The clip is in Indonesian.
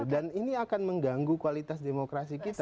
dan ini akan mengganggu kualitas demokrasi kita